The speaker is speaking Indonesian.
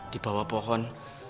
di bawah pohon